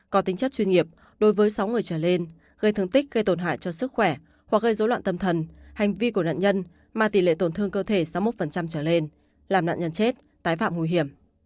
có tính chất chuyên nghiệp đối với sáu người trở lên gây thương tích gây tổn hại cho sức khỏe hoặc gây dối loạn tâm thần hành vi của nạn nhân mà tỷ lệ tổn thương cơ thể sáu mươi một trở lên làm nạn nhân chết tái phạm nguy hiểm